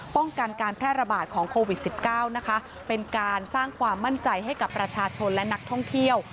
ป้องกันการแพร่ระบาดของโควิด๑๙นะคะเป็นการสร้างความมั่นใจให้กับประชาชนและนักท่องเที่ยว